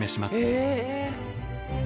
へえ。